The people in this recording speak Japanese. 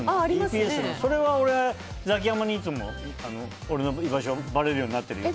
それはザキヤマに俺の居場所ばれるようになってるよ。